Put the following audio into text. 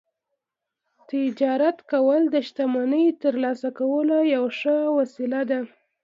تجارت کول د شتمنۍ ترلاسه کولو یوه ښه وسیله وه